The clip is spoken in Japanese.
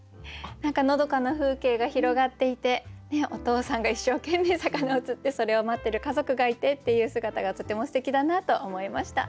何かのどかな風景が広がっていてお父さんが一生懸命魚を釣ってそれを待ってる家族がいてっていう姿がとてもすてきだなと思いました。